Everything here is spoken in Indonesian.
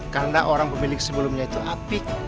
karena orang pemilik sebelumnya itu apik